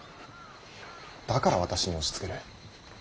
だから私に押しつける。